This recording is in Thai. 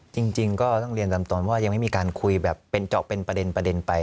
จริงก็ต้องเรียนตามตนว่ายังไม่มีการคุยแบบเป็นเจาะเป็นประเด็นไป